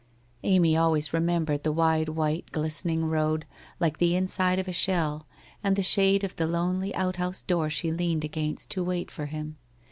Amy always remembered the wide white glistening road, like the inside of a shell, and the shade of the lonely outhouse door she leaned against, to wait for him.